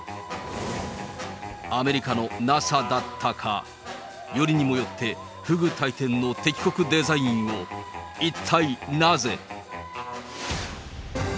アメリカのＮＡＳＡだったか、よりにもよって不倶戴天の敵国デザインを一体なぜ？